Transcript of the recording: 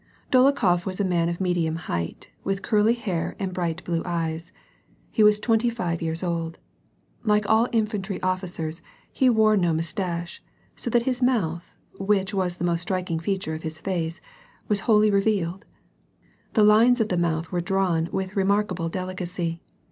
Dolokhof was a man of medium height, with curly hair and bright blue eyes. He was twenty five years old. Like all in fantry officers, he wore no mustache, so that his mouth, which was the most striking feature of his face, was wholly revealed The lines of the mouth were drawn with remarkable delicacy.